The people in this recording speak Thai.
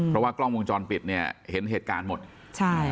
เพราะว่ากล้องวงจรปิดเนี่ยเห็นเหตุการณ์หมดใช่